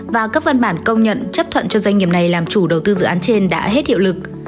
và các văn bản công nhận chấp thuận cho doanh nghiệp này làm chủ đầu tư dự án trên đã hết hiệu lực